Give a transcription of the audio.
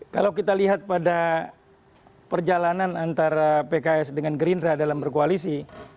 kalau kita lihat pada perjalanan antara pks dengan gerindra dalam berkoalisi